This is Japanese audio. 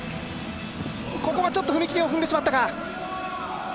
ここはちょっと踏み切りを踏んでしまったか。